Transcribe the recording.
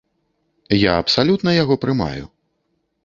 Я абсалютна яго прымаю.